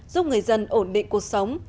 giúp người dân ổn định cuộc sống